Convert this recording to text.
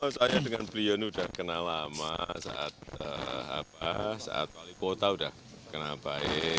soalnya dengan beliau ini sudah kenal lama saat wali kota sudah kenal baik